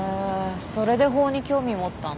それで法に興味持ったんだ。